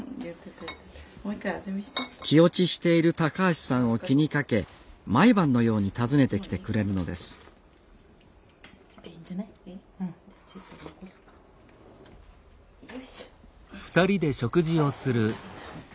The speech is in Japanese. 気落ちしている橋さんを気にかけ毎晩のように訪ねてきてくれるのですいいんじゃない。